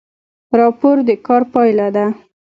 راپور د کار پایله ده